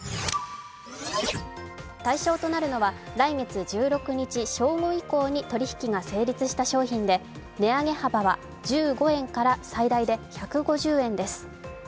対象となるのは来月１６日正午以降に取り引きが成立した商品で値上げ幅は１５円から最大で１５０円です。